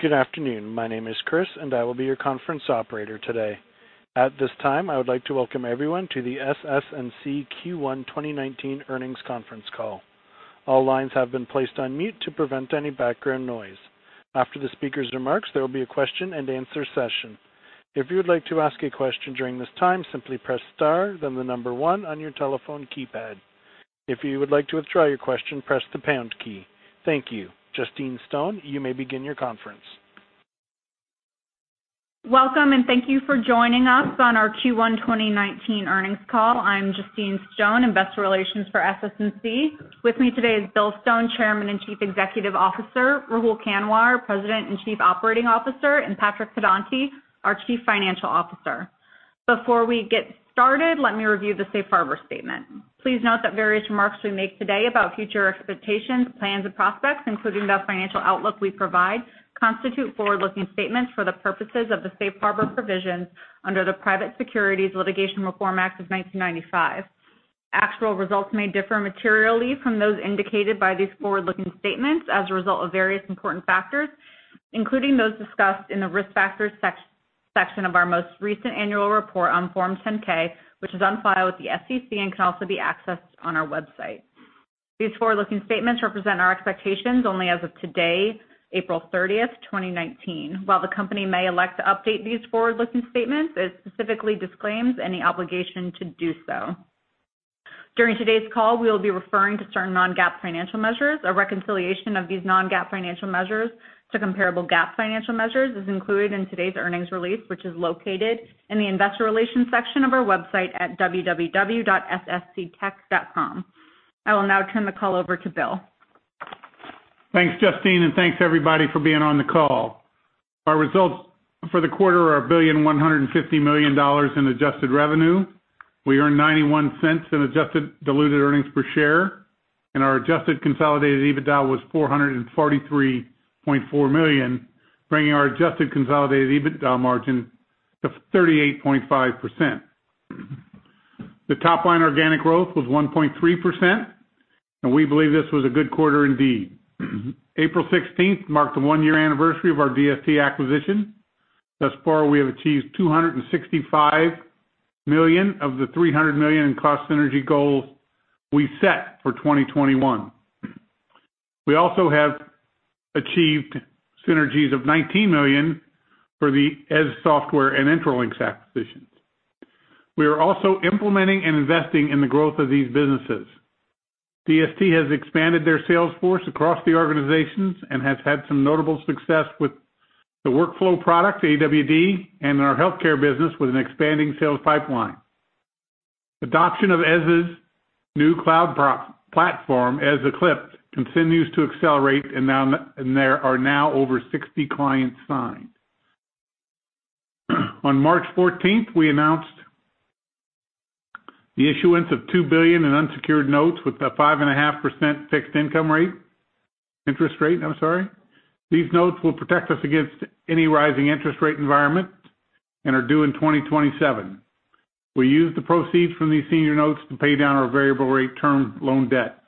Good afternoon. My name is Chris, and I will be your conference operator today. At this time, I would like to welcome everyone to the SS&C Q1 2019 earnings conference call. All lines have been placed on mute to prevent any background noise. After the speaker's remarks, there will be a question-and-answer session. If you would like to ask a question during this time, simply press star then one on your telephone keypad. If you would like to withdraw your question, press the pound key. Thank you. Justine Stone, you may begin your conference. Welcome. Thank you for joining us on our Q1 2019 earnings call. I'm Justine Stone, Investor Relations for SS&C. With me today is Bill Stone, Chairman and Chief Executive Officer; Rahul Kanwar, President and Chief Operating Officer; and Patrick Pedonti, our Chief Financial Officer. Before we get started, let me review the Safe Harbor statement. Please note that various remarks we make today about future expectations, plans, and prospects, including the financial outlook we provide, constitute forward-looking statements for the purposes of the safe harbor provisions under the Private Securities Litigation Reform Act of 1995. Actual results may differ materially from those indicated by these forward-looking statements as a result of various important factors, including those discussed in the Risk Factors section of our most recent annual report on Form 10-K, which is on file with the SEC and can also be accessed on our website. These forward-looking statements represent our expectations only as of today, April 30th, 2019. While the company may elect to update these forward-looking statements, it specifically disclaims any obligation to do so. During today's call, we will be referring to certain non-GAAP financial measures. A reconciliation of these non-GAAP financial measures to comparable GAAP financial measures is included in today's earnings release, which is located in the Investor Relations section of our website at www.ssctech.com. I will now turn the call over to Bill. Thanks, Justine. Thanks, everybody, for being on the call. Our results for the quarter are $1.150 billion in adjusted revenue. We earned $0.91 in adjusted diluted earnings per share, and our adjusted consolidated EBITDA was $443.4 million, bringing our adjusted consolidated EBITDA margin to 38.5%. The top-line organic growth was 1.3%. We believe this was a good quarter indeed. April 16th marked the one-year anniversary of our DST acquisition. Thus far, we have achieved $265 million of the $300 million in cost synergy goals we set for 2021. We have also achieved synergies of $19 million for the Eze Software and Intralinks acquisitions. We are also implementing and investing in the growth of these businesses. DST has expanded their sales force across the organization and has had some notable success with the workflow product, AWD, and our healthcare business, with an expanding sales pipeline. Adoption of Eze's new cloud platform, Eze Eclipse, continues to accelerate. There are now over 60 clients signed. On March 14th, we announced the issuance of $2 billion in unsecured notes with a 5.5% fixed interest rate. These notes will protect us against any rising interest rate environment and are due in 2027. We used the proceeds from these senior notes to pay down our variable-rate term loan debt.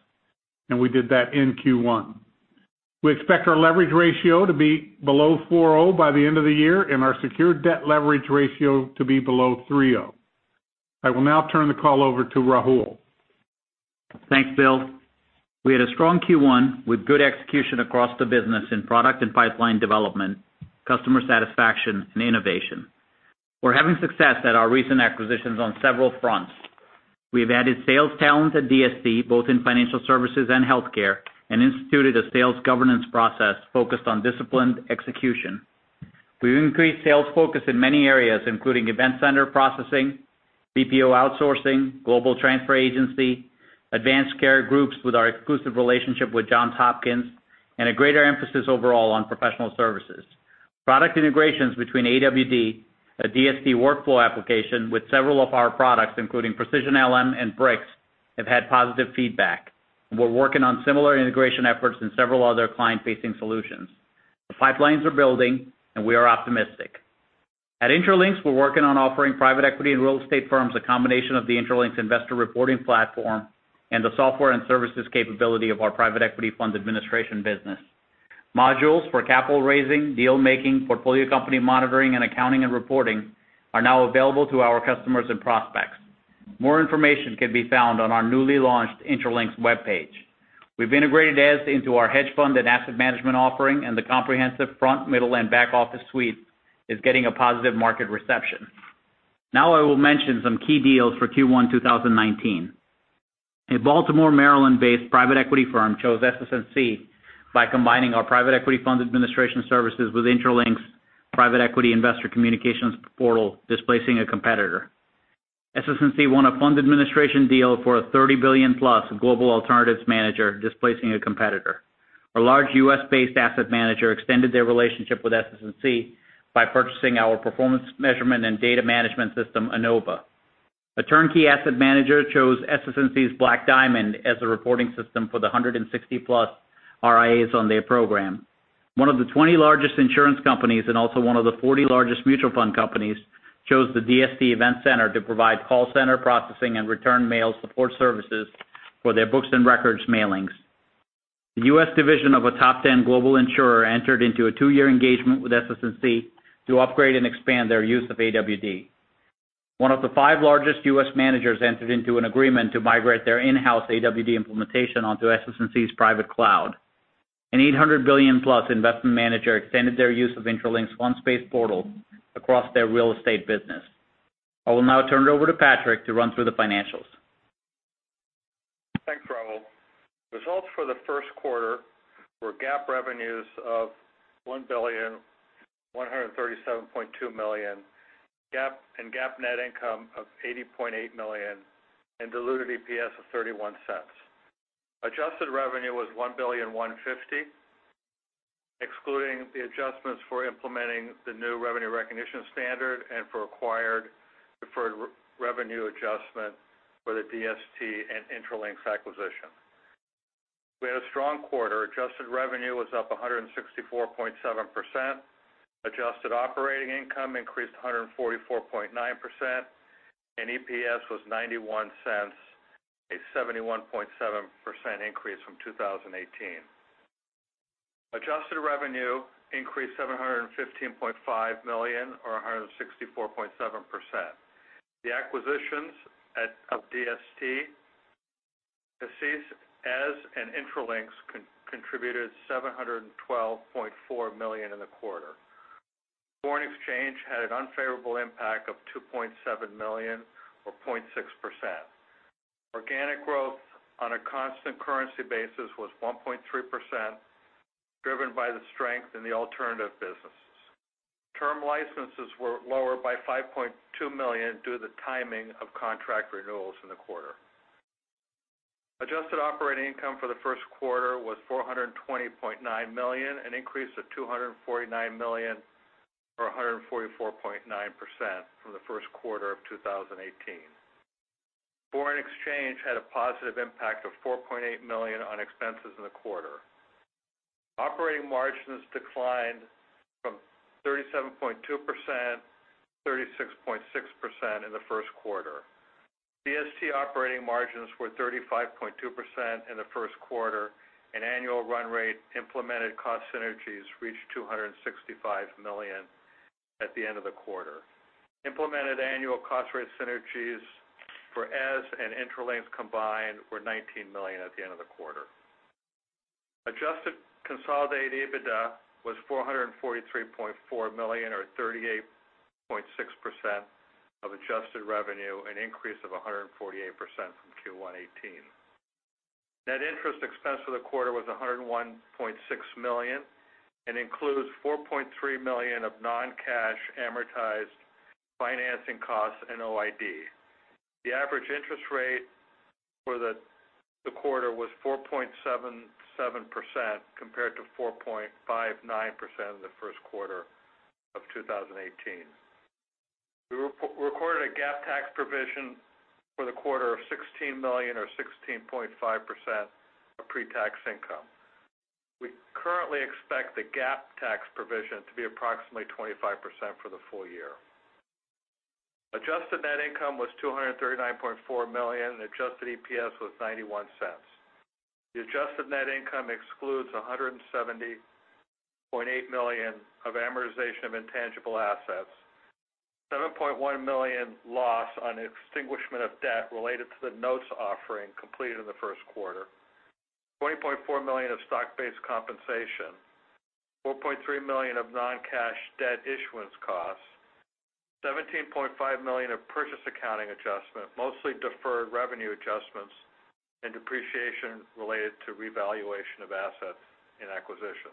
We did that in Q1. We expect our leverage ratio to be below 4.0x by the end of the year and our secured debt leverage ratio to be below 3.0x. I will now turn the call over to Rahul. Thanks, Bill. We had a strong Q1 with good execution across the business in product and pipeline development, customer satisfaction, and innovation. We're having success at our recent acquisitions on several fronts. We've added sales talent at DST, both in financial services and healthcare. Instituted a sales governance process focused on disciplined execution. We've increased sales focus in many areas, including event center processing, BPO outsourcing, global transfer agency, advanced care groups with our exclusive relationship with Johns Hopkins, and a greater emphasis overall on professional services. Product integrations between AWD, a DST workflow application with several of our products, including Precision LM and BRIX, have had positive feedback. We're working on similar integration efforts in several other client-facing solutions. The pipelines are being built. We are optimistic. At Intralinks, we're working on offering private equity and real estate firms a combination of the Intralinks investor reporting platform and the software and services capability of our private equity funds administration business. Modules for capital raising, deal-making, portfolio company monitoring, accounting, and reporting are now available to our customers and prospects. More information can be found on our newly launched Intralinks webpage. We've integrated Eze into our hedge fund and asset management offering. The comprehensive front, middle, and back office suite is getting a positive market reception. Now I will mention some key deals for Q1 2019. A Baltimore, Maryland-based private equity firm chose SS&C by combining our private equity fund administration services with Intralinks' private equity investor communications portal, displacing a competitor. SS&C won a fund administration deal for a $30 billion+ global alternatives manager, displacing a competitor. A large U.S.-based asset manager extended their relationship with SS&C by purchasing our performance measurement and data management system, Anova. A turnkey asset manager chose SS&C's Black Diamond as the reporting system for the 160+ RIAs on their program. One of the 20 largest insurance companies and also one of the 40 largest mutual fund companies chose the DST Event Center to provide call center processing and return mail support services for their books and records mailings. The U.S. division of a top 10 global insurer entered into a two-year engagement with SS&C to upgrade and expand their use of AWD. One of the five largest U.S. managers entered into an agreement to migrate their in-house AWD implementation onto SS&C's private cloud. An $800 billion+ investment manager extended their use of the Intralinks workspace portal across their real estate business. I will now turn it over to Patrick to run through the financials. Thanks, Rahul. Results for the first quarter were GAAP revenues of $1,137.2 million, GAAP net income of $80.8 million, and diluted EPS of $0.31. Adjusted revenue was $1,150 million, excluding the adjustments for implementing the new revenue recognition standard and for acquired deferred revenue adjustment for the DST and Intralinks acquisition. We had a strong quarter. Adjusted revenue was up 164.7%. Adjusted operating income increased 144.9%, and EPS was $0.91, a 71.7% increase from 2018. Adjusted revenue increased $715.5 million or 164.7%. The acquisitions of DST, Eze, and Intralinks contributed $712.4 million in the quarter. Foreign exchange had an unfavorable impact of $2.7 million or 0.6%. Organic growth on a constant currency basis was 1.3%, driven by the strength in the Alternatives business. Term licenses were lower by $5.2 million due to the timing of contract renewals in the quarter. Adjusted operating income for the first quarter was $420.9 million, an increase of $249 million or 144.9% from the first quarter of 2018. Foreign exchange had a positive impact of $4.8 million on expenses in the quarter. Operating margins declined from 37.2% to 36.6% in the first quarter. DST operating margins were 35.2% in the first quarter, and the annual run rate implemented cost synergies reached $265 million at the end of the quarter. Implemented annual cost rate synergies for Eze and Intralinks combined were $19 million at the end of the quarter. Adjusted consolidated EBITDA was $443.4 million or 38.6% of adjusted revenue, an increase of 148% from Q1 2018. Net interest expense for the quarter was $101.6 million and includes $4.3 million of non-cash amortized financing costs and OID. The average interest rate for the quarter was 4.77% compared to 4.59% in the first quarter of 2018. We recorded a GAAP tax provision for the quarter of $16 million or 16.5% of pre-tax income. We currently expect the GAAP tax provision to be approximately 25% for the full year. Adjusted net income was $239.4 million, adjusted EPS was $0.91. The adjusted net income excludes $170.8 million of amortization of intangible assets, $7.1 million loss on extinguishment of debt related to the notes offering completed in the first quarter, $20.4 million of stock-based compensation, $4.3 million of non-cash debt issuance costs, $17.5 million of purchase accounting adjustment, mostly deferred revenue adjustments, and depreciation related to revaluation of assets in acquisitions.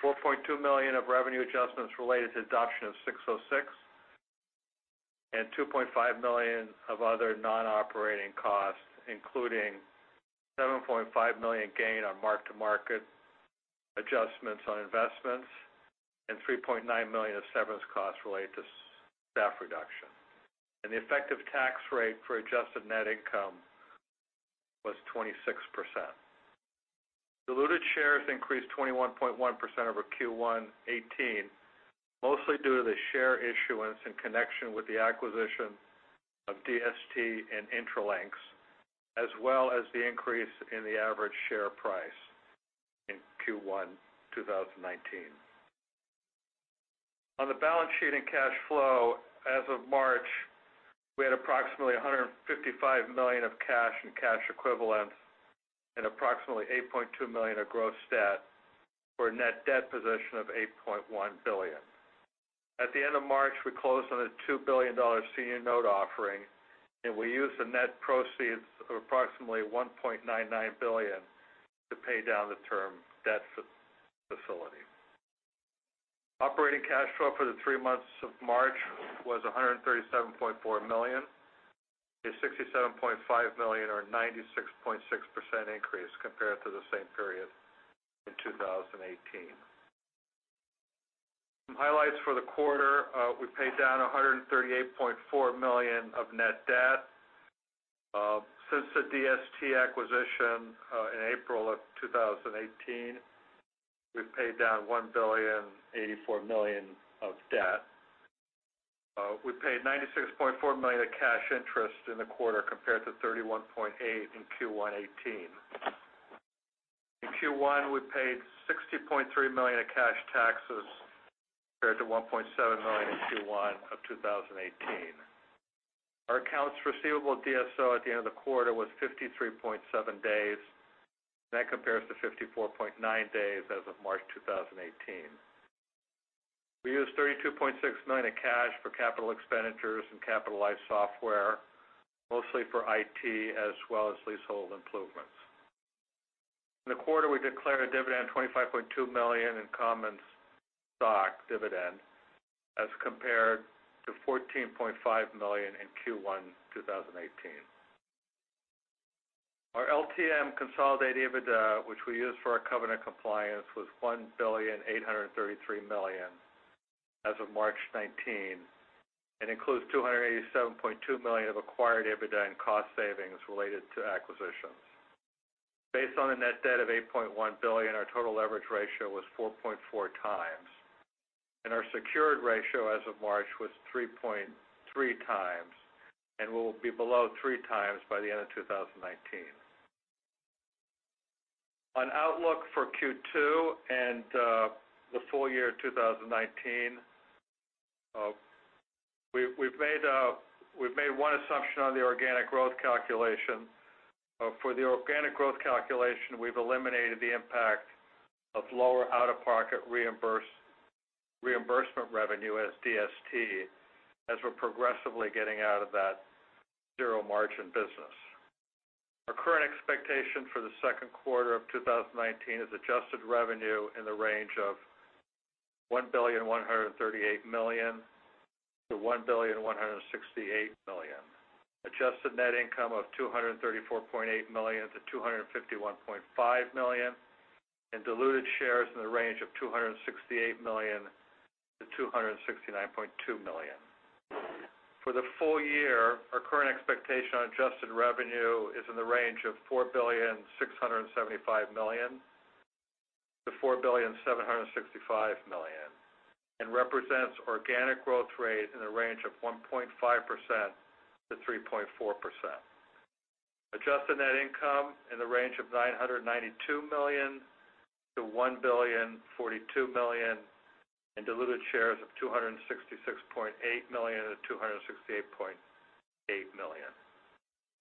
$4.2 million of revenue adjustments related to the adoption of ASC 606, and $2.5 million of other non-operating costs, including $7.5 million gain on mark-to-market adjustments on investments, and $3.9 million of severance costs related to staff reduction. The effective tax rate for adjusted net income was 26%. Diluted shares increased 21.1% over Q1 2018, mostly due to the share issuance in connection with the acquisition of DST and Intralinks, as well as the increase in the average share price in Q1 2019. On the balance sheet and cash flow, as of March, we had approximately $155 million of cash and cash equivalents and approximately $8.2 billion of gross debt, for a net debt position of $8.1 billion. At the end of March, we closed on a $2 billion senior note offering. We used the net proceeds of approximately $1.99 billion to pay down the term debt facility. Operating cash flow for the three months of March was $137.4 million, a $67.5 million or 96.6% increase compared to the same period in 2018. Some highlights for the quarter, we paid down $138.4 million of net debt. Since the DST acquisition in April of 2018, we've paid down $1.084 billion of debt. We paid $96.4 million of cash interest in the quarter compared to $31.8 million in Q1 2018. In Q1, we paid $60.3 million of cash taxes compared to $1.7 million in Q1 of 2018. Our accounts receivable DSO at the end of the quarter was 53.7 days. That compares to 54.9 days as of March 2018. We used $32.69 million of cash for capital expenditures and capitalized software, mostly for IT, as well as leasehold improvements. In the quarter, we declared a dividend of $25.2 million in common stock dividends as compared to $14.5 million in Q1 2018. Our LTM consolidated EBITDA, which we use for our covenant compliance, was $1.833 billion as of March 2019, and it includes $287.2 million of acquired EBITDA and cost savings related to acquisitions. Based on a net debt of $8.1 billion, our total leverage ratio was 4.4x. Our secured ratio as of March was 3.3x, and it will be below 3.0x by the end of 2019. On outlook for Q2 and the full year 2019, we've made one assumption on the organic growth calculation. For the organic growth calculation, we've eliminated the impact of lower out-of-pocket reimbursement revenue as DST, as we're progressively getting out of that zero-margin business. Our current expectation for the second quarter of 2019 is adjusted revenue in the range of $1.138 billion-$1.168 billion, adjusted net income of $234.8 million-$251.5 million, and diluted shares in the range of 268 million-269.2 million. For the full year, our current expectation on adjusted revenue is in the range of $4.675 billion-$4.765 billion and it represents an organic growth rate in the range of 1.5%-3.4%. Adjusted net income in the range of $992 million-$1.042 billion, and diluted shares of 266.8 million-268.8 million.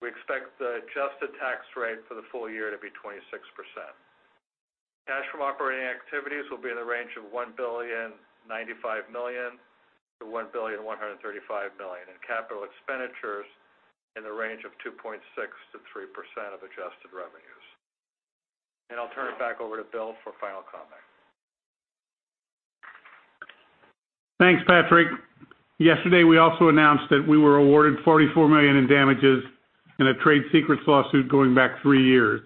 We expect the adjusted tax rate for the full year to be 26%. Cash from operating activities will be in the range of $1.095 billion-$1.135 billion, and capital expenditures will be in the range of 2.6%-3% of adjusted revenues. I'll turn it back over to Bill for final comment. Thanks, Patrick. Yesterday, we also announced that we were awarded $44 million in damages in a trade secrets lawsuit going back three years.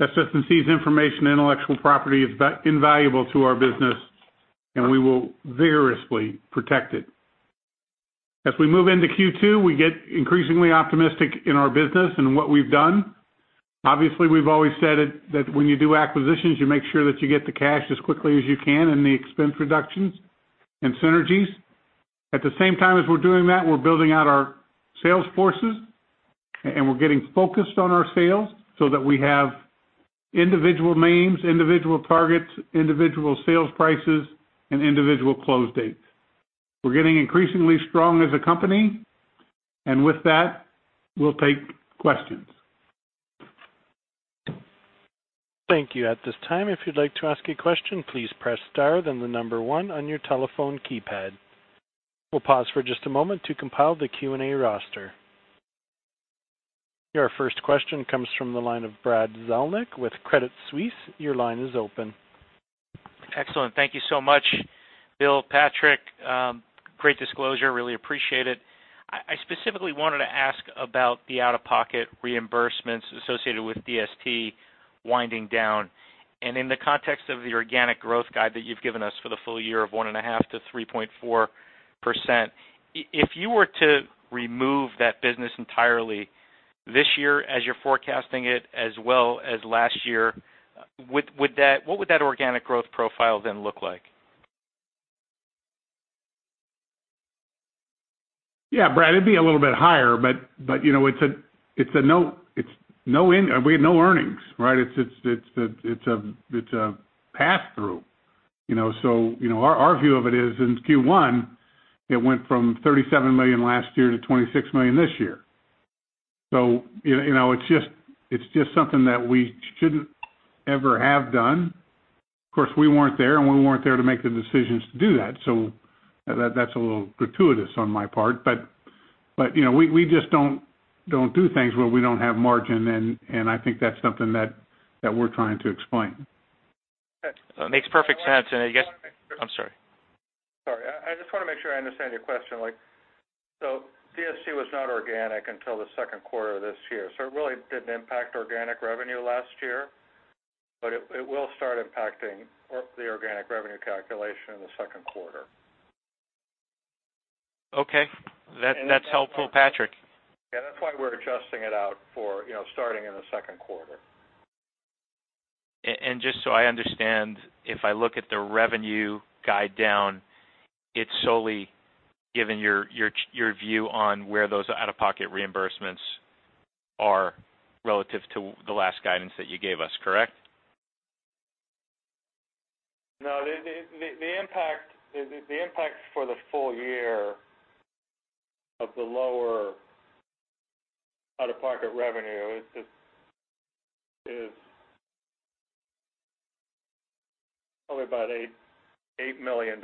SS&C's information and intellectual property are invaluable to our business, and we will vigorously protect them. As we move into Q2, we get increasingly optimistic in our business and what we've done. Obviously, we've always said that when you do acquisitions, you make sure that you get the cash as quickly as you can and the expense reductions and synergies. At the same time as we're doing that, we're building out our sales forces, and we're getting focused on our sales so that we have individual names, individual targets, individual sales prices, and individual close dates. We're getting increasingly strong as a company. With that, we'll take questions. Thank you. At this time, if you'd like to ask a question, please press star then the number one on your telephone keypad. We'll pause for just a moment to compile the Q&A roster. Your first question comes from the line of Brad Zelnick with Credit Suisse. Your line is open. Excellent. Thank you so much, Bill, Patrick. Great disclosure, really appreciate it. I specifically wanted to ask about the out-of-pocket reimbursements associated with DST winding down. In the context of the organic growth guide that you've given us for the full year of 1.5%-3.4%, if you were to remove that business entirely this year, as you're forecasting it as well as last year, what would that organic growth profile then look like? Yeah, Brad, it'd be a little bit higher, but we had no earnings, right? It's a pass-through. Our view of it is that, in Q1, it went from $37 million last year to $26 million this year. It's just something that we shouldn't have ever done. Of course, we weren't there, and we weren't there to make the decisions to do that's a little gratuitous on my part. We just don't do things where we don't have margin, and I think that's something that we're trying to explain. Makes perfect sense, and I guess- I'm sorry. Sorry. I just want to make sure I understand your question. DST was not organic until the second quarter of this year; it really didn't impact organic revenue last year, but it will start impacting the organic revenue calculation in the second quarter. Okay. That's helpful, Patrick. Yeah. That's why we're adjusting it out for starting in the second quarter. Just so I understand, if I look at the revenue guide down, it's solely given your view on where those out-of-pocket reimbursements are relative to the last guidance that you gave us, correct? The impact for the full year of the lower out-of-pocket revenue is probably about $8 million.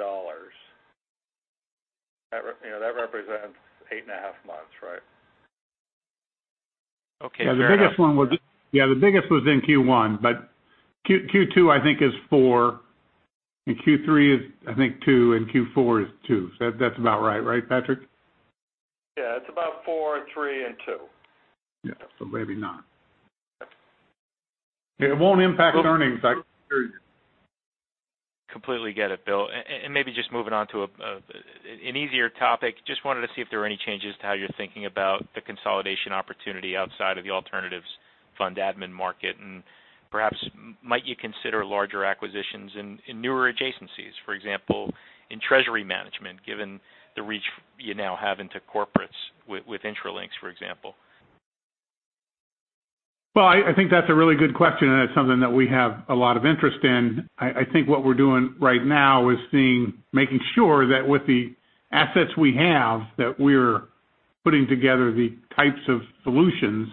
That represents eight and a half months. Fair enough. The biggest was in Q1, but Q2 I think is $4 million, and Q3 is, I think, $2 million, and Q4 is $2 million. That's about right, Patrick? Yeah. It's about $4 million, $3 million, and $2 million. Maybe not. It won't impact earnings. I can assure you. Completely get it, Bill. Maybe just moving on to an easier topic. Just wanted to see if there were any changes to how you're thinking about the consolidation opportunity outside of the alternatives fund admin market. Perhaps you might consider larger acquisitions in newer adjacencies? For example, in treasury management, given the reach you now have into corporates with Intralinks, for example. Well, I think that's a really good question, and it's something that we have a lot of interest in. I think what we're doing right now is making sure that with the assets we have, we're putting together the types of solutions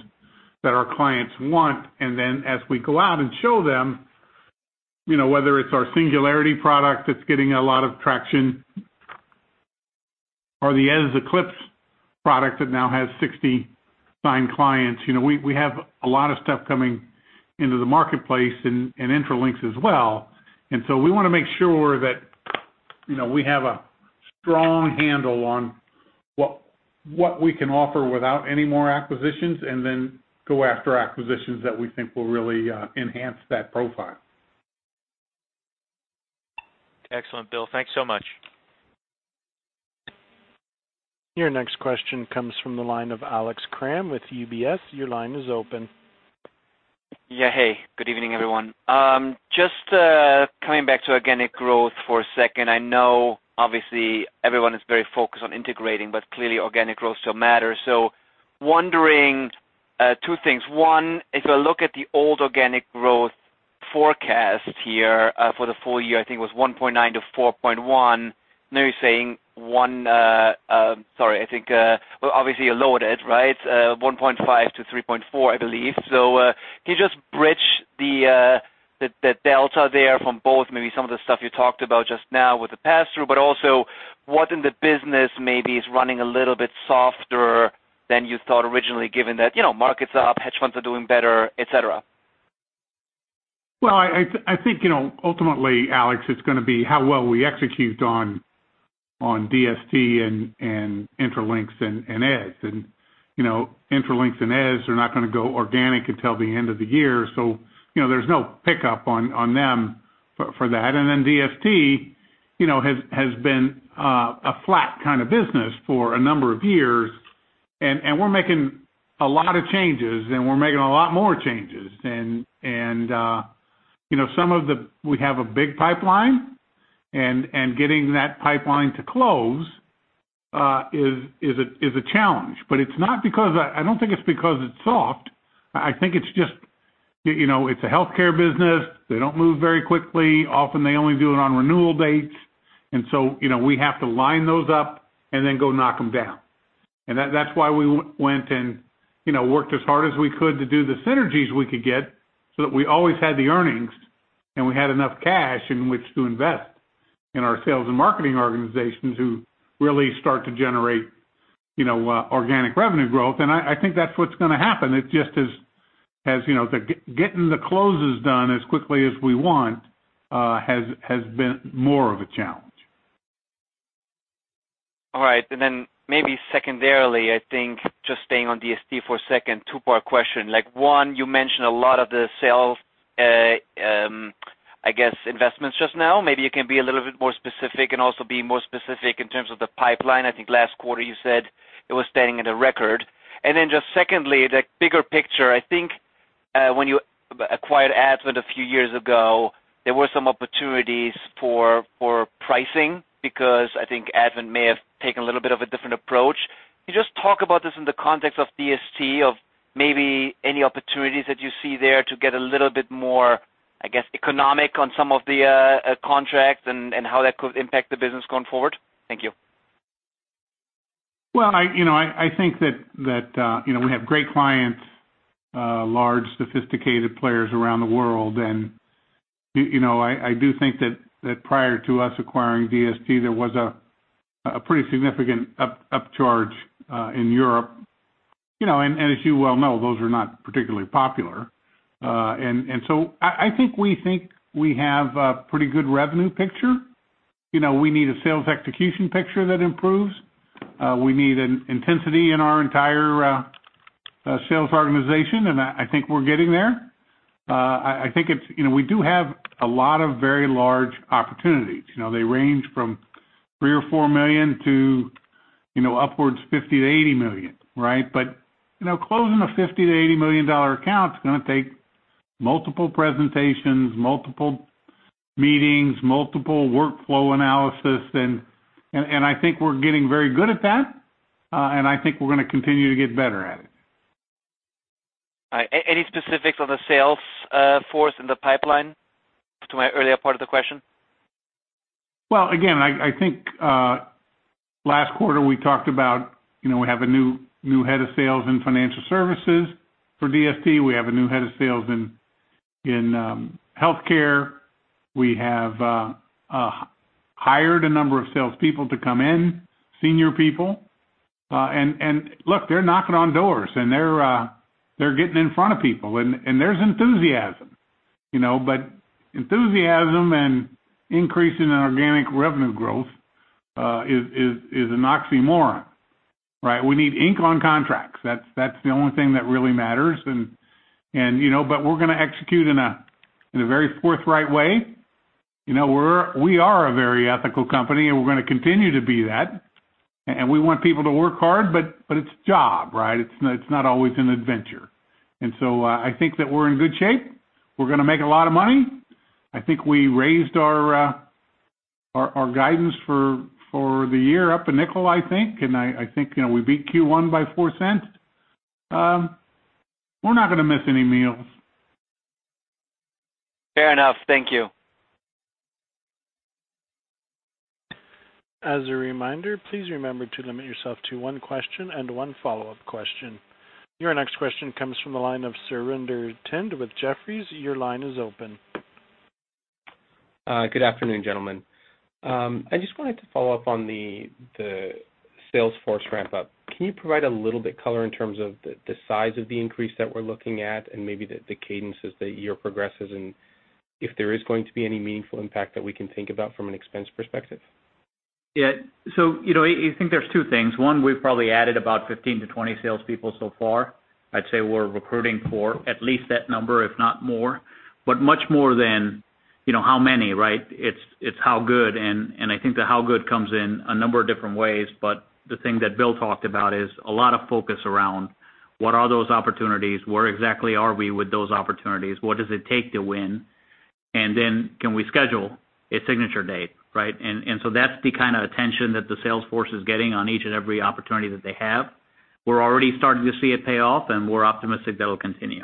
that our clients want. As we go out and show them, whether it's our Singularity product that's getting a lot of traction or the Eze Eclipse product that now has 60 signed clients. We have a lot of stuff coming into the marketplace, and Intralinks as well. We want to make sure that we have a strong handle on what we can offer without any more acquisitions, and then go after acquisitions that we think will really enhance that profile. Excellent, Bill. Thanks so much. Your next question comes from the line of Alex Kramm with UBS. Your line is open. Yeah. Hey, good evening, everyone. Just coming back to organic growth for a second. I know, obviously, everyone is very focused on integrating, but clearly, organic growth still matters. Wondering about two things. One, if you look at the old organic growth forecast here, for the full year, I think it was 1.9%-4.1%. Now you're saying, you lowered it, right? 1.5%-3.4%, I believe. Can you just bridge the delta there from both, maybe some of the stuff you talked about just now with the pass-through, but also what in the business maybe is running a little bit softer than you thought originally, given that markets are up, hedge funds are doing better, et cetera? Well, I think, ultimately, Alex, it's going to be how well we execute on DST, Intralinks, and Eze. Intralinks and Eze are not going to go organic until the end of the year, so there's no pickup on them for that. DST has been a flat kind of business for a number of years. We're making a lot of changes, and we're making a lot more changes. We have a big pipeline, and getting that pipeline to close is a challenge. I don't think it's because it's soft. I think it's a healthcare business. They don't move very quickly. Often, they only do it on renewal dates. We have to line those up and then go knock them down. That's why we went and worked as hard as we could to do the synergies we could get, so that we always had the earnings, and we had enough cash in which to invest in our sales and marketing organizations, which really started to generate organic revenue growth. I think that's what's going to happen. It's just getting the closes done as quickly as we want has been more of a challenge. All right. Then maybe secondarily, I think just staying on DST for a second, two-part question. One, you mentioned a lot of the sales investments just now. Maybe you can be a little bit more specific and also be more specific in terms of the pipeline. I think last quarter you said it was standing at a record. Then, secondly, the bigger picture. I think when you acquired Advent a few years ago, there were some opportunities for pricing because I think Advent may have taken a little bit of a different approach. Can you just talk about this in the context of DST, maybe any opportunities that you see there to get a little bit more economic on some of the contracts, and how that could impact the business going forward? Thank you. Well, I think that we have great clients, large, sophisticated players around the world. I do think that prior to us acquiring DST, there was a pretty significant upcharge in Europe. As you well know, those are not particularly popular. I think we have a pretty good revenue picture. We need a sales execution picture that improves. We need intensity in our entire sales organization, and I think we're getting there. We do have a lot of very large opportunities. They range from $3 million or $4 million to upwards of $50 million-$80 million, right? Closing a $50 million-$80 million account is going to take multiple presentations, multiple meetings, multiple workflow analyses, and I think we're getting very good at that. I think we're going to continue to get better at it. All right. Any specifics on the sales force in the pipeline for my earlier part of the question? Well, again, I think last quarter we talked about how we have a new head of sales in financial services for DST. We have a new head of sales in healthcare. We have hired a number of salespeople to come in, senior people. Look, they're knocking on doors, and they're getting in front of people, and there's enthusiasm. Enthusiasm and an increase in organic revenue growth are an oxymoron, right? We need ink on contracts. That's the only thing that really matters. We're going to execute in a very forthright way. We are a very ethical company, and we're going to continue to be that. We want people to work hard, but it's a job, right? It's not always an adventure. I think that we're in good shape. We're going to make a lot of money. I think we raised our guidance for the year up $0.05, I think, and I think we beat Q1 by $0.04. We're not going to miss any meals. Fair enough. Thank you. As a reminder, please remember to limit yourself to one question and one follow-up question. Your next question comes from the line of Surinder Thind with Jefferies. Your line is open. Good afternoon, gentlemen. I just wanted to follow up on the sales force ramp-up. Can you provide a little bit color in terms of the size of the increase that we're looking at, and maybe the cadences as the year progresses, and if there is going to be any meaningful impact that we can think about from an expense perspective? Yeah. I think there are two things. One, we've probably added about 15-20 salespeople so far. I'd say we're recruiting for at least that number, if not more. Much more than how many, right? It's how good. I think how good comes in a number of different ways. The thing that Bill talked about is a lot of focus around what those opportunities are. Where exactly are we with those opportunities? What does it take to win? Can we schedule a signature date, right? That's the kind of attention that the sales force is getting on each and every opportunity that they have. We're already starting to see it pay off, and we're optimistic that it will continue.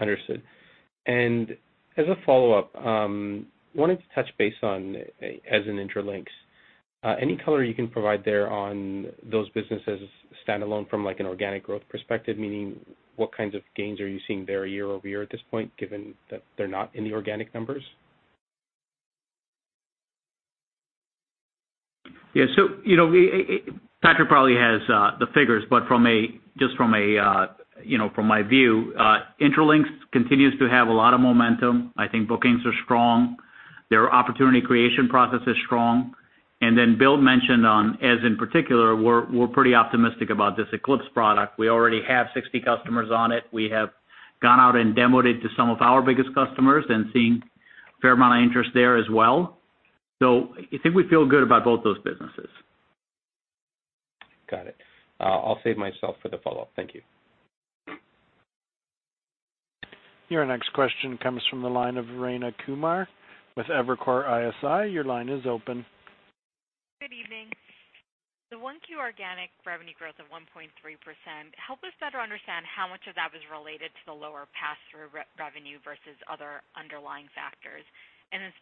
Understood. As a follow-up, I wanted to touch base on as in Intralinks. Any color you can provide there on those businesses, standalone from like an organic growth perspective, meaning what kinds of gains are you seeing there year-over-year at this point, given that they're not in the organic numbers? Yeah. Patrick probably has the figures, but just from my view, Intralinks continues to have a lot of momentum. I think bookings are strong. Their opportunity creation process is strong. Bill mentioned that, in particular, we're pretty optimistic about this Eze Eclipse product. We already have 60 customers on it. We have gone out and demoed it to some of our biggest customers and seen a fair amount of interest there as well. I think we feel good about both those businesses. Got it. I'll save myself for the follow-up. Thank you. Your next question comes from the line of Rayna Kumar with Evercore ISI. Your line is open. Good evening. The 1Q organic revenue growth of 1.3%, help us better understand how much of that was related to the lower pass-through revenue versus other underlying factors.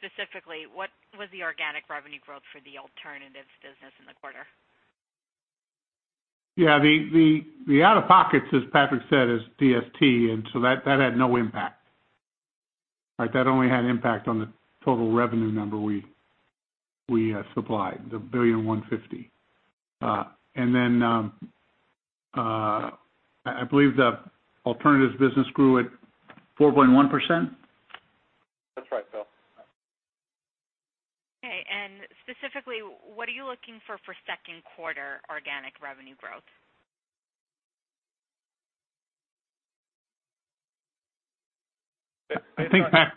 Specifically, what was the organic revenue growth for the Alternatives business in the quarter? Yeah, the out-of-pocket, as Patrick said, is DST, which had no impact. That only had an impact on the total revenue number we supplied, the $1.150 billion. I believe the Alternatives business grew at 4.1%. That's right, Bill. Specifically, what are you looking for in the second quarter organic revenue growth? I think, Pat-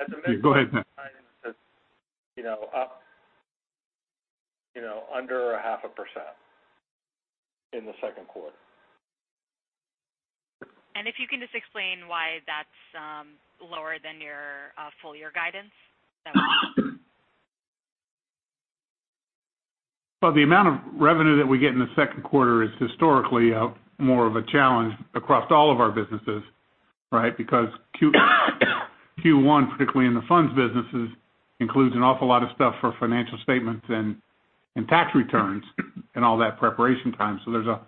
As I mentioned- Go ahead, Patrick. Under 0.5% in the second quarter. If you can just explain why that's lower than your full-year guidance? That would be helpful. Well, the amount of revenue that we get in the second quarter is historically more of a challenge across all of our businesses, right? Because Q1, particularly in the funds businesses, includes an awful lot of stuff for financial statements, tax returns, and all that preparation time. There's a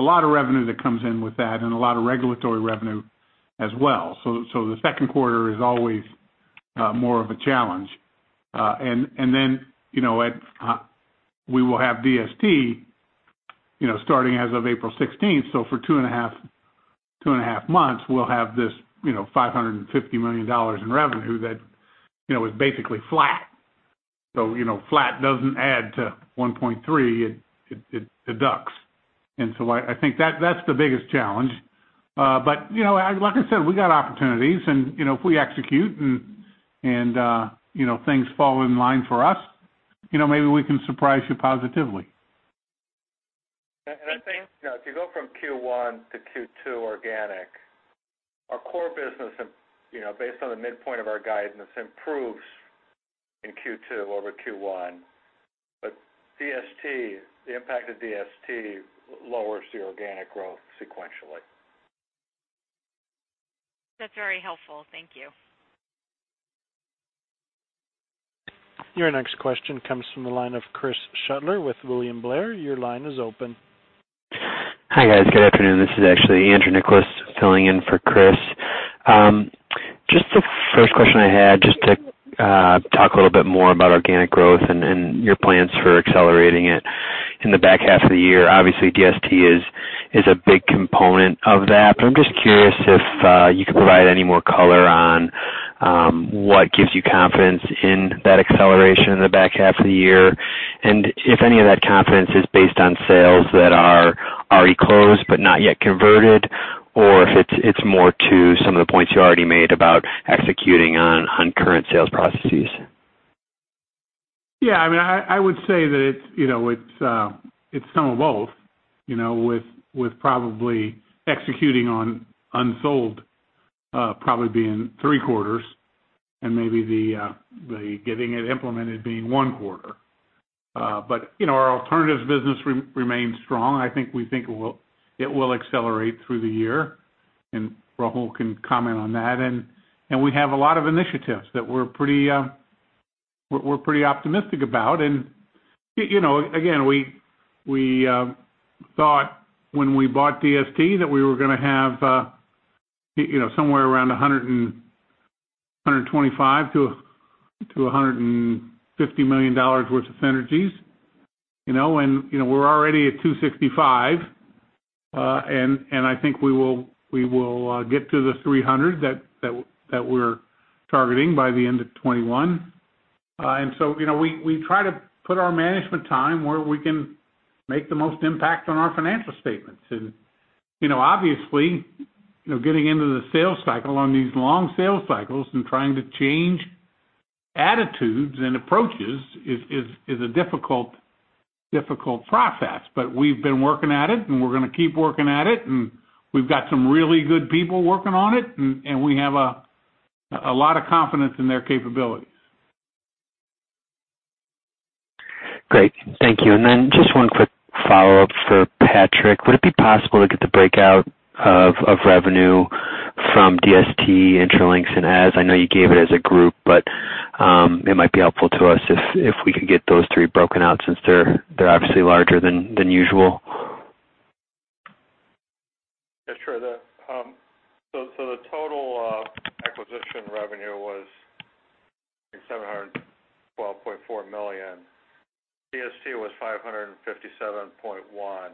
lot of revenue that comes in with that and a lot of regulatory revenue as well. Then, we will have DST starting on April 16th. For two and a half months, we'll have this $550 million in revenue that is basically flat. Flat doesn't add to 1.3%, it deducts. I think that's the biggest challenge. As I said, we got opportunities, and if we execute and things fall in line for us, maybe we can surprise you positively. I think if you go from Q1 to Q2 organic, our core business, based on the midpoint of our guidance, improves in Q2 over Q1. The impact of DST lowers the organic growth sequentially. That's very helpful. Thank you. Your next question comes from the line of Chris Shutler with William Blair. Your line is open. Hi, guys. Good afternoon. This is actually Andrew Nicholas filling in for Chris. The first question I had was just to talk a little bit more about organic growth and your plans for accelerating it in the back half of the year. DST is a big component of that. I'm just curious if you could provide any more color on what gives you confidence in that acceleration in the back half of the year, and if any of that confidence is based on sales that are already closed but not yet converted, or if it's more to some of the points you already made about executing on current sales processes. I would say that it's some of both, with probably executing on unsold being three quarters, and maybe the getting it implemented being one quarter. Our Alternatives business remains strong. I think we think it will accelerate through the year, and Rahul can comment on that. We have a lot of initiatives that we're pretty optimistic about. We thought when we bought DST that we were going to have somewhere around $125 million-$150 million worth of synergies. We're already at $265 million, and I think we will get to the $300 million that we're targeting by the end of 2021. We try to put our management time where we can make the most impact on our financial statements. Obviously, getting into the sales cycle on these long sales cycles and trying to change attitudes and approaches is a difficult process. We've been working at it, and we're going to keep working at it, and we've got some really good people working on it, and we have a lot of confidence in their capabilities. Great. Thank you. Just one quick follow-up for Patrick. Would it be possible to get the breakdown of revenue from DST, Intralinks, and Eze? I know you gave it as a group, but it might be helpful to us if we could get those three broken out since they're obviously larger than usual. The total acquisition revenue was $712.4 million. DST was $557.1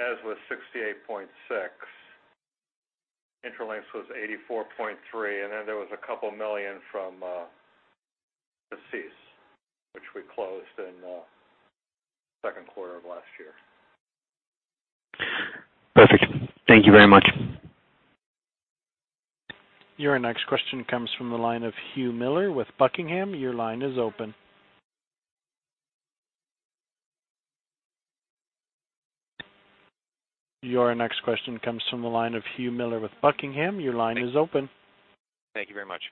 million. Eze was $68.6 million. Intralinks was $84.3 million. There were $2 million from CACEIS, which we closed in the second quarter of last year. Perfect. Thank you very much. Your next question comes from the line of Hugh Miller with Buckingham. Your line is open. Thank you very much.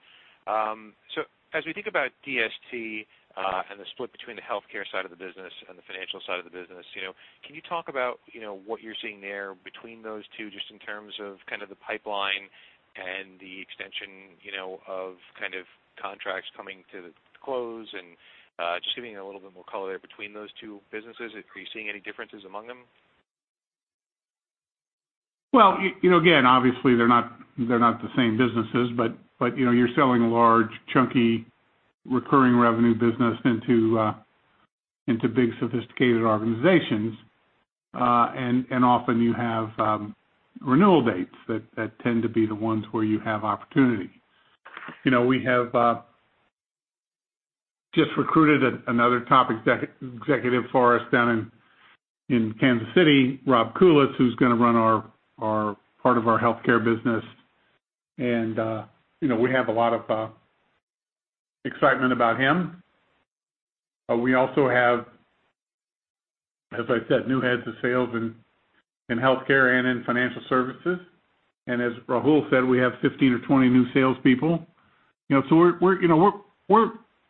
As we think about DST and the split between the healthcare side of the business and the financial side of the business, can you talk about what you're seeing there between those two, just in terms of the pipeline and the extension of contracts coming to a close? Just giving a little bit more color there between those two businesses. Are you seeing any differences among them? Well, again, obviously, they're not the same businesses, but you're selling a large, chunky, recurring revenue business into big, sophisticated organizations. Often, you have renewal dates that tend to be the ones where you have an opportunity. We have just recruited another top executive for us down in Kansas City, Rob Kulis, who's going to run part of our healthcare business. We have a lot of excitement about him. We also have, as I said, new heads of sales in healthcare and in financial services. As Rahul said, we have 15 or 20 new salespeople. We're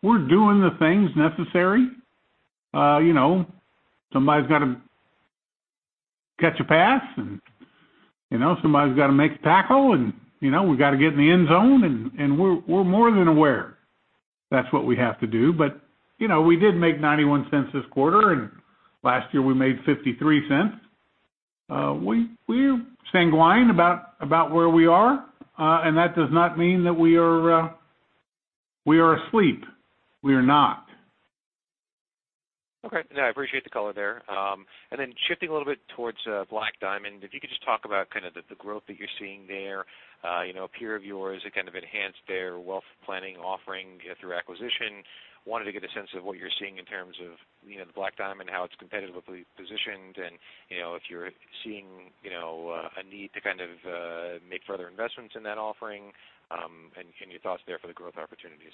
doing the things necessary. Somebody's got to catch a pass, and somebody's got to make the tackle, and we've got to get in the end zone, and we're more than aware. That's what we have to do. We did make $0.91 this quarter, and last year we made $0.53. We're sanguine about where we are, and that does not mean that we are asleep. We are not. Okay. No, I appreciate the color there. Shifting a little bit towards Black Diamond, if you could just talk about the growth that you're seeing there. A peer of yours kind of enhanced their wealth planning offering through acquisition. Wanted to get a sense of what you're seeing in terms of the Black Diamond, how it's competitively positioned, and if you're seeing a need to make further investments in that offering, and your thoughts there for the growth opportunities.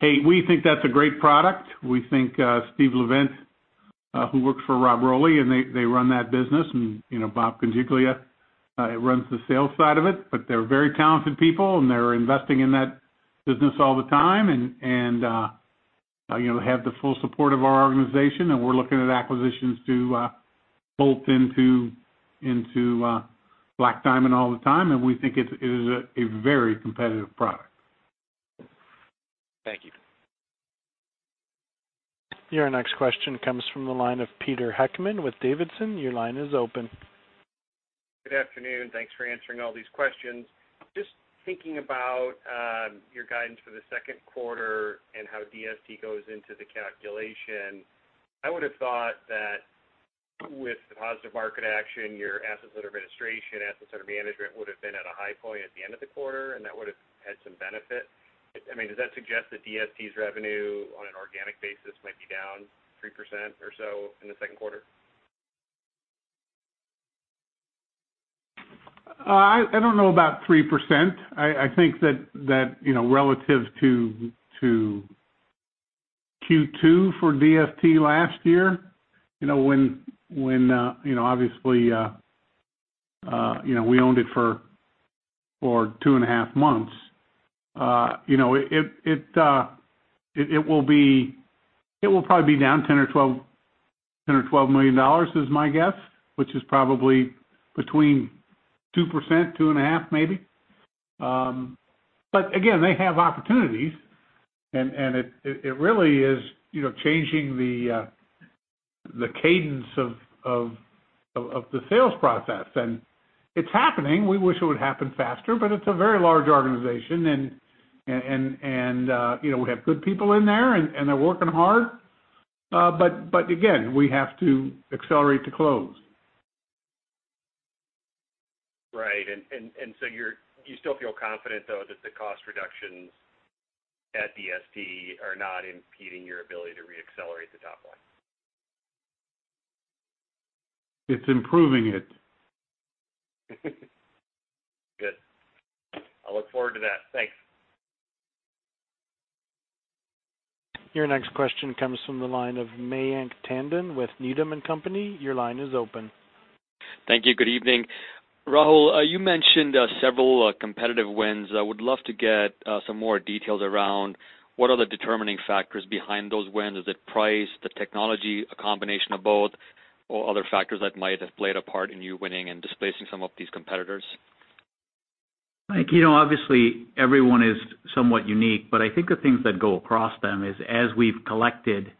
Hey, we think that's a great product. We think Steve Leivent, who works for Rob Roley, and they run that business, and Bob Conchiglia runs the sales side of it. They're very talented people, and they're investing in that business all the time, and have the full support of our organization, and we're looking at acquisitions to bolt into Black Diamond all the time, and we think it is a very competitive product. Thank you. Your next question comes from the line of Peter Heckmann with Davidson. Your line is open. Good afternoon. Thanks for answering all these questions. Just thinking about your guidance for the second quarter and how DST goes into the calculation. I would've thought that with the positive market action, your assets under administration, assets under management would've been at a high point at the end of the quarter, and that would've had some benefit. Does that suggest that DST's revenue on an organic basis might be down 3% or so in the second quarter? I don't know about 3%. I think that relative to Q2 for DST last year, when obviously we owned it for two and a half months. It will probably be down $10 million-$12 million is my guess, which is probably between 2%-2.5%, maybe. Again, they have opportunities, and it really is changing the cadence of the sales process. It's happening. We wish it would happen faster, but it's a very large organization, and we have good people in there, and they're working hard. Again, we have to accelerate to close. Right. You still feel confident, though, that the cost reductions at DST are not impeding your ability to re-accelerate the top line? It's improving it. Good. I'll look forward to that. Thanks. Your next question comes from the line of Mayank Tandon with Needham & Company. Your line is open. Thank you. Good evening. Rahul, you mentioned several competitive wins. I would love to get some more details around what the determining factors are behind those wins. Is it price, the technology, a combination of both, or other factors that might have played a part in you winning and displacing some of these competitors? Mayank, obviously, everyone is somewhat unique, but I think the things that go across them are, as we've collected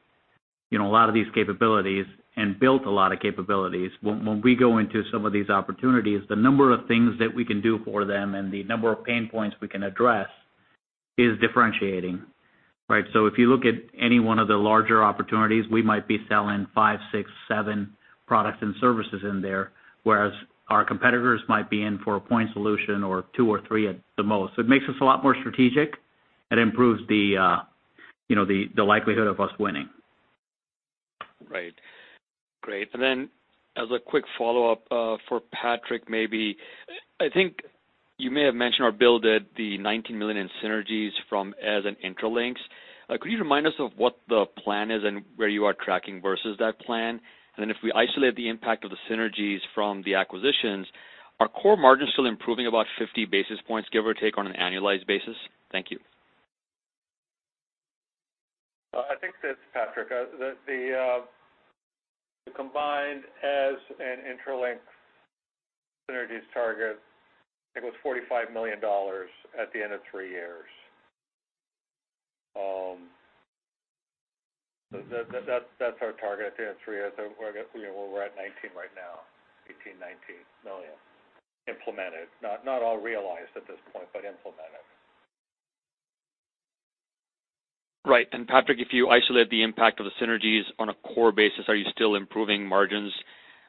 a lot of these capabilities and built a lot of capabilities, when we go into some of these opportunities, the number of things that we can do for them and the number of pain points we can address is differentiating, right? If you look at any one of the larger opportunities, we might be selling five, six, seven products and services in there, whereas our competitors might be in for a point solution or two or three at the most. It makes us a lot more strategic and improves the likelihood of us winning. Right. Great. As a quick follow-up, for Patrick, maybe. I think you may have mentioned or Bill did, the $19 million in synergies from Eze and Intralinks. Could you remind us of what the plan is and where you are tracking versus that plan? If we isolate the impact of the synergies from the acquisitions, are core margins still improving about 50 basis points, give or take, on an annualized basis? Thank you. I think that, Patrick, the combined Eze and Intralinks synergies target, I think, was $45 million at the end of three years. That's our target at the end of three years. We're at $19 million right now, $18 million-$19 million implemented. Not all realized at this point, but implemented. Right. Patrick, if you isolate the impact of the synergies on a core basis, are you still improving margins by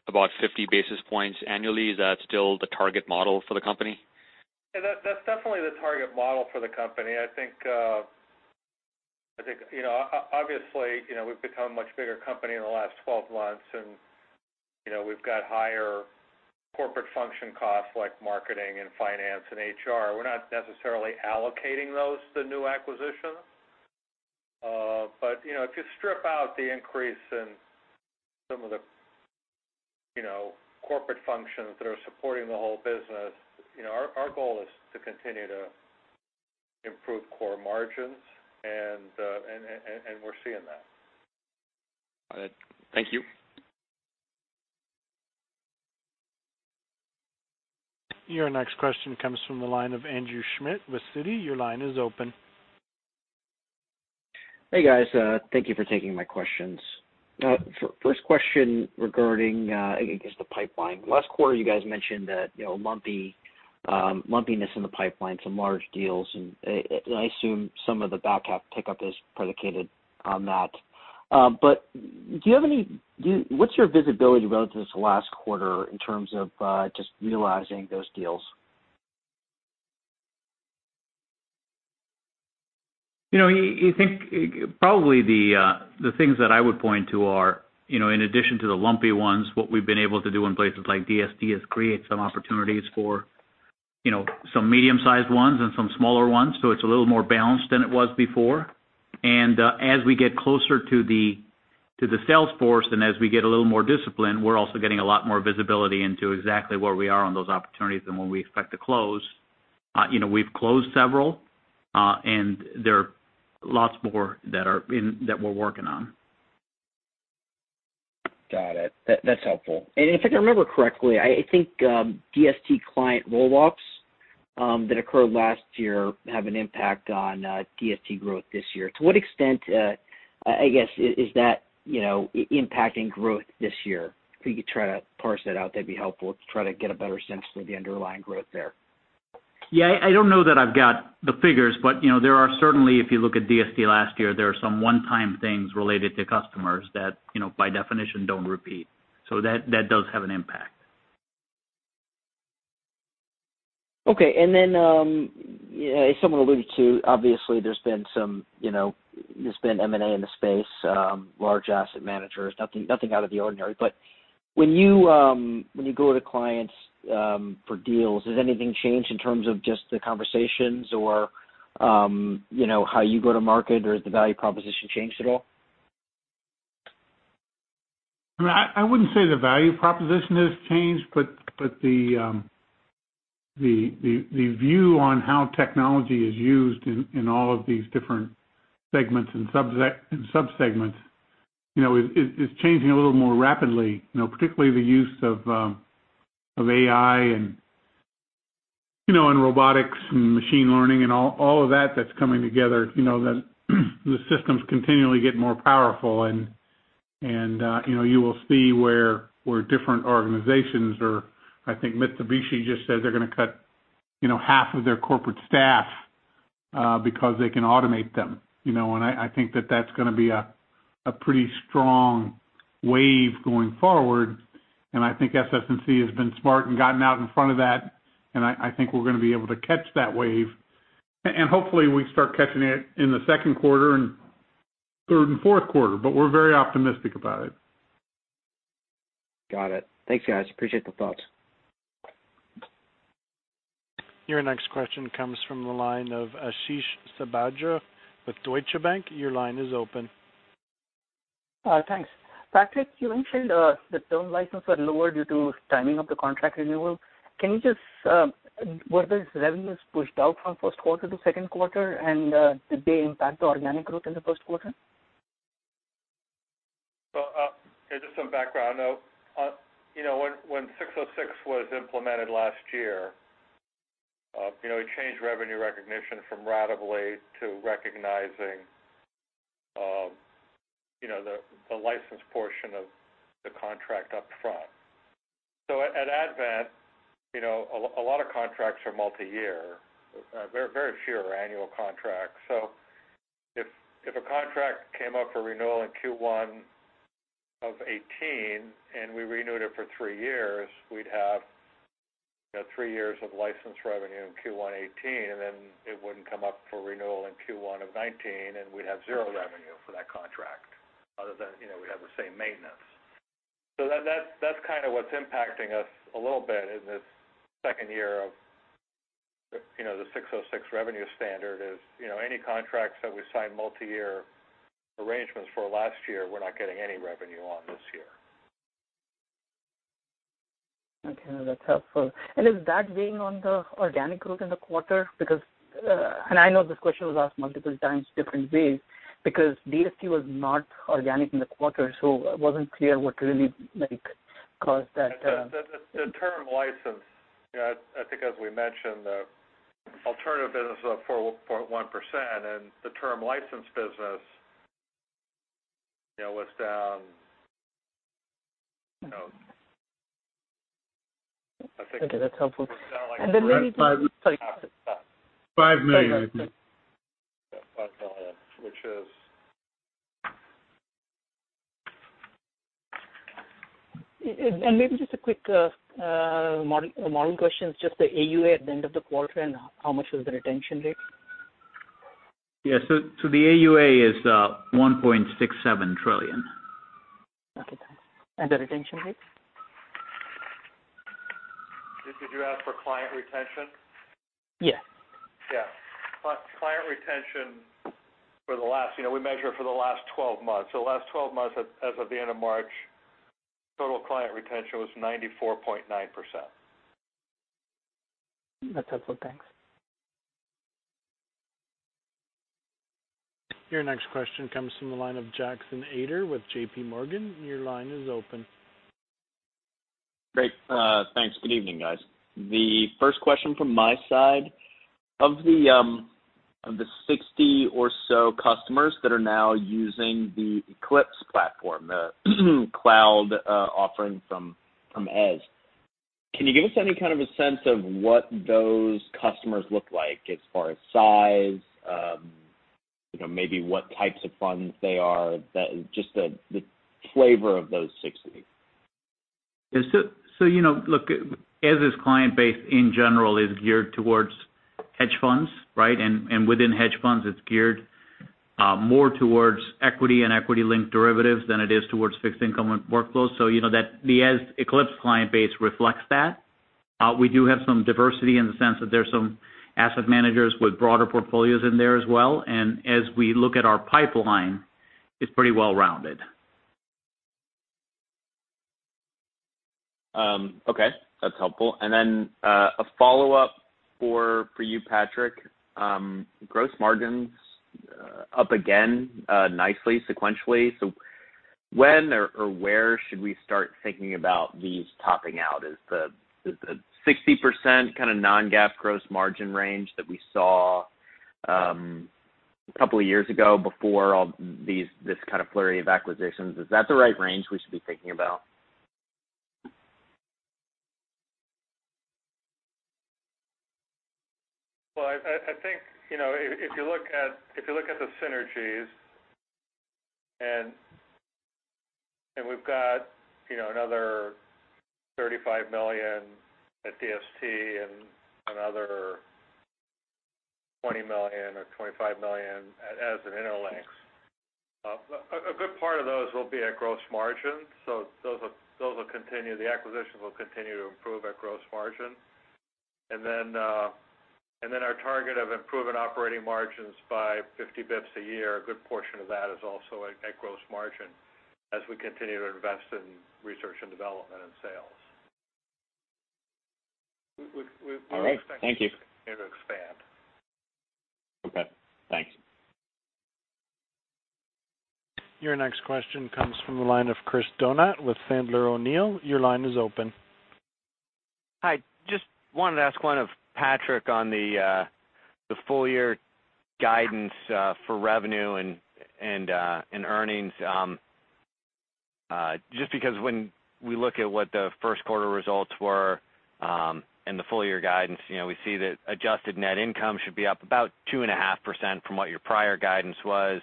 about 50 basis points annually? Is that still the target model for the company? Yeah, that's definitely the target model for the company. I think, obviously, we've become a much bigger company in the last 12 months, and we've got higher corporate function costs like marketing, finance, and HR. We're not necessarily allocating those to new acquisitions. If you strip out the increase in some of the corporate functions that are supporting the whole business, our goal is to continue to improve core margins, and we're seeing that. All right. Thank you. Your next question comes from the line of Andrew Schmidt with Citi. Your line is open. Hey, guys. Thank you for taking my questions. First question regarding, I guess, the pipeline. Last quarter, you guys mentioned that lumpiness in the pipeline, some large deals, and I assume some of the back half pickup is predicated on that. What's your visibility relative to last quarter in terms of just realizing those deals? Probably the things that I would point to are, in addition to the lumpy ones, what we've been able to do in places like DST is create some opportunities for some medium-sized ones and some smaller ones. It's a little more balanced than it was before. As we get closer to the sales force and as we get a little more discipline, we're also getting a lot more visibility into exactly where we are on those opportunities and when we expect to close. We've closed several, and there are lots more that we're working on. Got it. That's helpful. If I can remember correctly, I think DST client roll-offs that occurred last year have an impact on DST growth this year. To what extent, I guess, is that impacting growth this year? If you could try to parse that out, that'd be helpful to try to get a better sense of the underlying growth there. Yeah. I don't know that I've got the figures, but there are certainly, if you look at DST last year, there are some one-time things related to customers that, by definition, don't repeat. That does have an impact. Okay. As someone alluded to, obviously, there's been M&A in the space, large asset managers, nothing out of the ordinary. When you go to clients for deals, has anything changed in terms of just the conversations or how you go to market, or has the value proposition changed at all? I wouldn't say the value proposition has changed, but the view on how technology is used in all of these different segments and sub-segments is changing a little more rapidly. Particularly, the use of AI and robotics and machine learning, and all of that is coming together. The systems continually get more powerful, and you will see where different organizations are. I think Mitsubishi just said they're going to cut half of their corporate staff because they can automate them. I think that that's going to be a pretty strong wave going forward, and I think SS&C has been smart and gotten out in front of that, and I think we're going to be able to catch that wave. Hopefully, we start catching it in the second quarter and third and fourth quarters. We're very optimistic about it. Got it. Thanks, guys. Appreciate the thoughts. Your next question comes from the line of Ashish Sabadra with Deutsche Bank. Your line is open. Thanks. Patrick, you mentioned that the term license was lower due to the timing of the contract renewal. Were those revenues pushed out from the first quarter to the second quarter, and did they impact the organic growth in the first quarter? Just some background, though. When ASC 606 was implemented last year, it changed revenue recognition from ratably to recognizing the license portion of the contract up front. At Advent, a lot of contracts are multi-year. Very few are annual contracts. If a contract came up for renewal in Q1 of 2018 and we renewed it for three years, we'd have three years of license revenue in Q1 2018; it wouldn't come up for renewal in Q1 of 2019, we'd have zero revenue for that contract, other than we'd have the same maintenance. That's kind of what's impacting us a little bit in this second year of the ASC 606 revenue standard, is that any contracts that we signed with multi-year arrangements last year, we're not getting any revenue on this year. Okay, that's helpful. Is that weighing on the organic growth in the quarter? I know this question was asked multiple times in different ways. DST was not organic in the quarter, so it wasn't clear what really made it cause that. The term license, I think, as we mentioned, the Alternatives business was up 4.1%, the term license business was down. Okay. That's helpful. It was down, like- $5 million, I think. Yeah. $5 million, which is- Maybe just a quick model question, just the AUA at the end of the quarter, and how much was the retention rate? Yeah. The AUA is $1.67 trillion. Okay. Thanks. The retention rate? Did you ask for client retention? Yes. Yeah. We measure client retention for the last 12 months. The last 12 months, as of the end of March, total client retention was 94.9%. That's helpful. Thanks. Your next question comes from the line of Jackson Ader with JPMorgan. Your line is open. Great. Thanks. Good evening, guys. The first question from my side, of the 60 or so customers that are now using the Eze Eclipse platform, the cloud offering from Eze, can you give us any kind of a sense of what those customers look like as far as size, maybe what types of funds they are? Just the flavor of those 60 customers. Look, Eze's client base in general is geared towards hedge funds, right? Within hedge funds, it's geared more towards equity and equity-linked derivatives than it is towards fixed income workflows. You know that the Eclipse client base reflects that. We do have some diversity in the sense that there are some asset managers with broader portfolios in there as well, and as we look at our pipeline, it's pretty well-rounded. Okay, that's helpful. Then a follow-up for you, Patrick. Gross margins up again, nicely sequentially. When or where should we start thinking about these topping out? Is the 60% kind of non-GAAP gross margin range that we saw a couple of years ago, before all this kind of flurry of acquisitions, is that the right range we should be thinking about? Well, I think, if you look at the synergies, we've got another $35 million at DST and another $20 million or $25 million at Eze and Intralinks. A good part of those will be at gross margin. Those will continue. The acquisitions will continue to improve at gross margin. Then our target of improving operating margins by 50 basis points a year, a good portion of that is also at gross margin as we continue to invest in research and development and sales. All right. Thank you. We expect it to expand. Okay. Thanks. Your next question comes from the line of Chris Donat with Sandler O'Neill. Your line is open. Hi. Just wanted to ask Patrick on the full-year guidance for revenue and earnings. Just because when we look at what the first quarter results were, and the full-year guidance, we see that adjusted net income should be up about 2.5% from what your prior guidance was.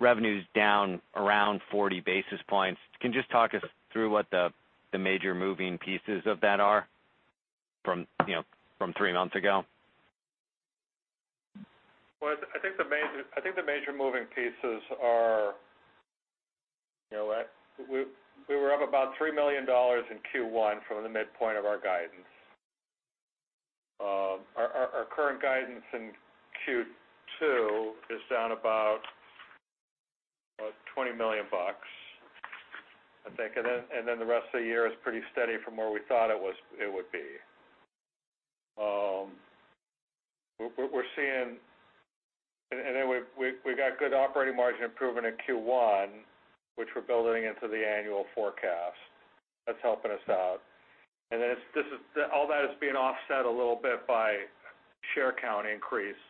Revenue's down around 40 basis points. Can you just talk us through what the major moving pieces of that were from three months ago? I think the major moving pieces are. We were up about $3 million in Q1 from the midpoint of our guidance. Our current guidance in Q2 is down about $20 million, I think. The rest of the year is pretty steady from where we thought it would be. We've got good operating margin improvement in Q1, which we're building into the annual forecast. That's helping us out. All that is being offset a little bit by the share count increase,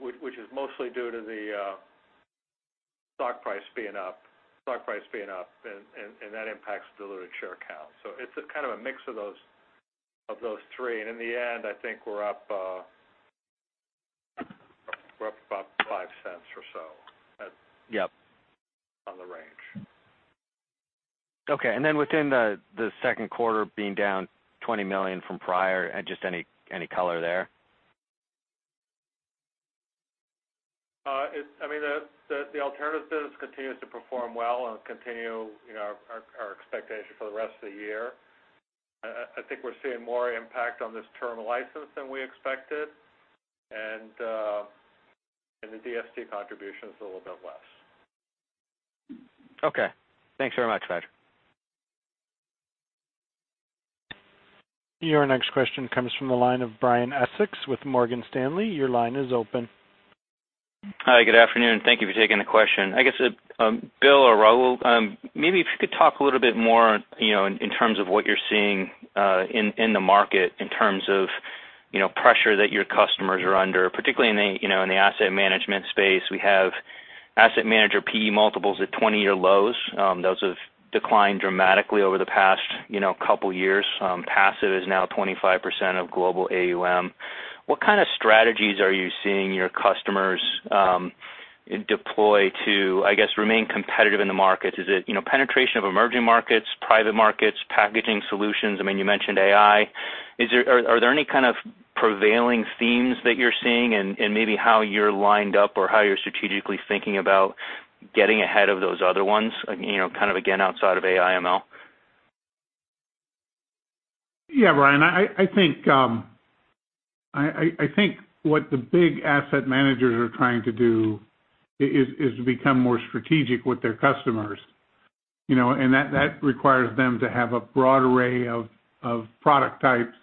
which is mostly due to the stock price being up. That impacts diluted share count. It's kind of a mix of those three. In the end, I think we're up about $0.05 or so- Yep. On the range. Okay. Within Q2, being down $20 million from prior, just any color there? The Alternatives business continues to perform well and continues to meet our expectations for the rest of the year. I think we're seeing more impact on this term license than we expected, and the DST contribution is a little bit less. Okay. Thanks very much, Patrick. Your next question comes from the line of Brian Essex with Morgan Stanley. Your line is open. Hi, good afternoon. Thank you for taking the question. I guess, Bill or Rahul, maybe if you could talk a little bit more in terms of what you're seeing in the market in terms of pressure that your customers are under, particularly in the asset management space. We have asset manager PE multiples at 20-year lows. Those have declined dramatically over the past couple of years. Passive is now 25% of global AUM. What kind of strategies are you seeing your customers deploy to, I guess, to remain competitive in the market? Is it penetration of emerging markets, private markets, or packaging solutions? You mentioned AI. Are there any kind of prevailing themes that you're seeing, and maybe how you're lined up or how you're strategically thinking about getting ahead of those other ones? Again, outside of AI, ML. Yeah, Brian, I think what the big asset managers are trying to do is to become more strategic with their customers. That requires them to have a broad array of product types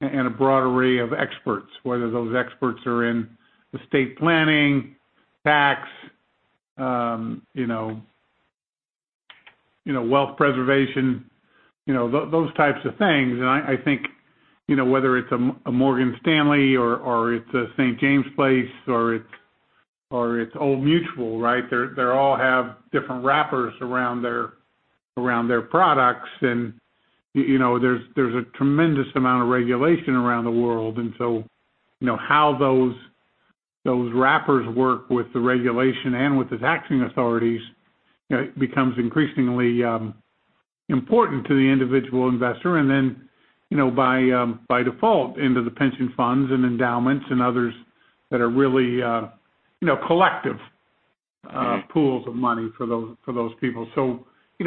and a broad array of experts, whether those experts are in estate planning, tax, wealth preservation, those types of things. I think, whether it's a Morgan Stanley or it's a St. James's Place or it's Old Mutual, right? They all have different wrappers around their products, and there's a tremendous amount of regulation around the world. So how those wrappers work with the regulation and with the taxing authorities becomes increasingly important to the individual investor, and then by default, into the pension funds, endowments, and others that are really collective pools of money for those people.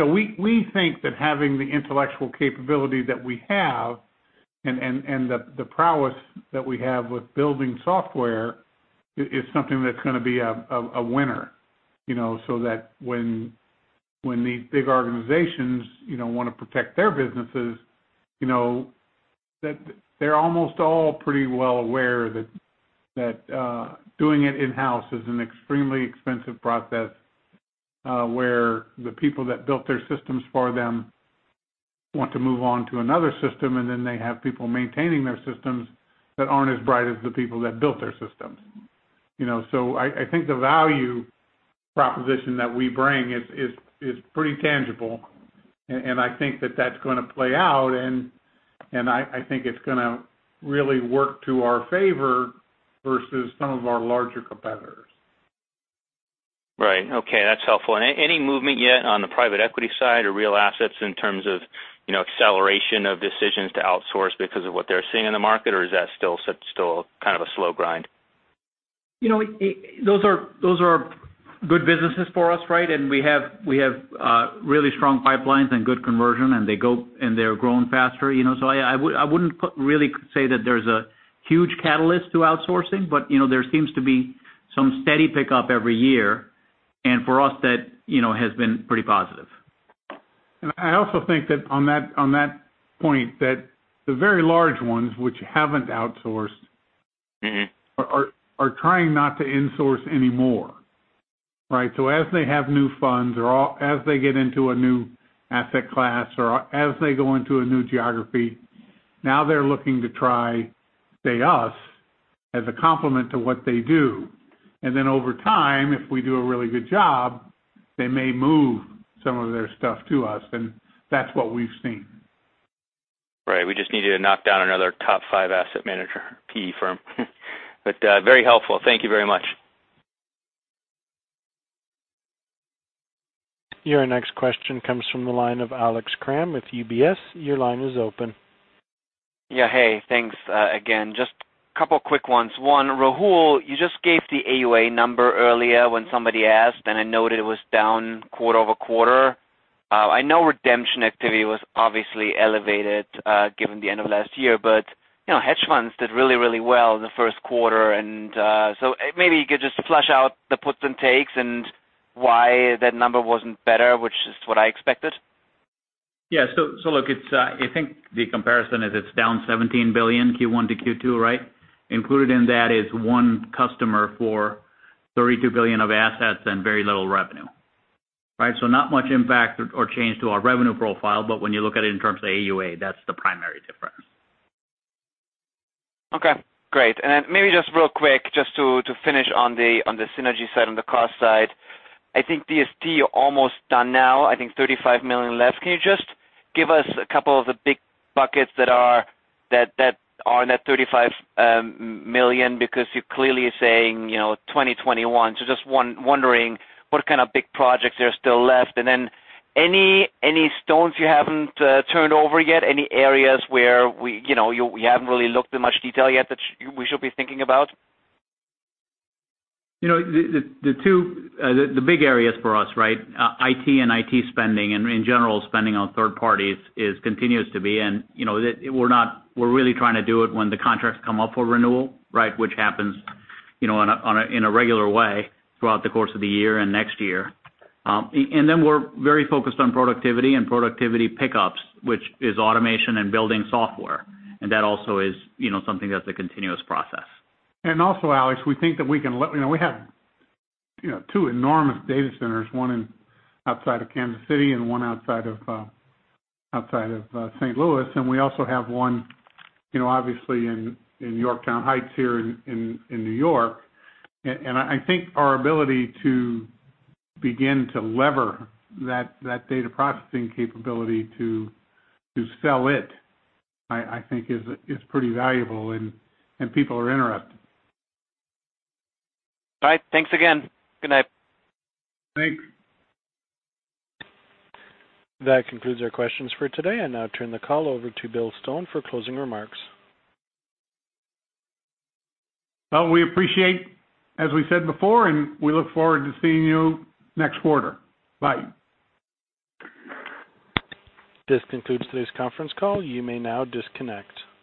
We think that having the intellectual capability that we have and the prowess that we have with building software is something that's going to be a winner. When these big organizations want to protect their businesses, they're almost all pretty well aware that doing it in-house is an extremely expensive process, where the people who built their systems for them want to move on to another system, and then they have people maintaining their systems that aren't as bright as the people who built their systems. I think the value proposition that we bring is pretty tangible, and I think that that's going to play out, and I think it's going to really work to our favor versus some of our larger competitors. Right. Okay, that's helpful. Any movement yet on the private equity side or real assets in terms of acceleration of decisions to outsource because of what they're seeing in the market, or is that still kind of a slow grind? Those are good businesses for us, right? We have really strong pipelines and good conversion, and they're growing faster. I wouldn't really say that there's a huge catalyst to outsourcing, but there seems to be some steady pickup every year. For us, that has been pretty positive. I also think that on that point, the very large ones that haven't outsourced are trying not to insource anymore. As they have new funds or as they get into a new asset class or as they go into a new geography, now they're looking to try, say, us, as a complement to what they do. Then over time, if we do a really good job, they may move some of their stuff to us, and that's what we've seen. Right. We just need to knock down another top-five asset manager PE firm. Very helpful. Thank you very much. Your next question comes from the line of Alex Kramm with UBS. Your line is open. Yeah. Hey, thanks. Again, just a couple quick ones. One, Rahul, you just gave the AUA number earlier when somebody asked. I noted it was down quarter-over-quarter. I know redemption activity was obviously elevated, given the end of last year, but hedge funds did really well in the first quarter. Maybe you could just flesh out the puts and takes and why that number wasn't better, which is what I expected. Look, I think the comparison is it's down $17 billion Q4 to Q1, right? Included in that is one customer for $32 billion of assets and very little revenue. Not much impact or change to our revenue profile, but when you look at it in terms of AUA, that's the primary difference. Okay, great. Maybe just real quick, just to finish on the synergy side and the cost side, I think DST, you're almost done now. I think $35 million left. Can you just give us a couple of the big buckets that are in that $35 million, because you're clearly saying 2021. Just wondering what kind of big projects are still left. Any stones you haven't turned over yet? Any areas where we haven't really looked in much detail yet that we should be thinking about? The big areas for us, IT and IT spending, and in general, spending on third parties, continue to be. We're really trying to do it when the contracts come up for renewal, which happens in a regular way throughout the course of the year and next year. We're very focused on productivity and productivity pickups, which are automation and building software. That is also something that's a continuous process. Also, Alex, we have two enormous data centers, one outside of Kansas City and one outside of St. Louis, and we also have one, obviously, in Yorktown Heights here in New York. I think our ability to begin to leverage that data processing capability to sell it, I think is pretty valuable, and people are interested. All right, thanks again. Good night. Thanks. That concludes our questions for today. I now turn the call over to Bill Stone for closing remarks. Well, we appreciate, as we said before. We look forward to seeing you next quarter. Bye. This concludes today's conference call. You may now disconnect.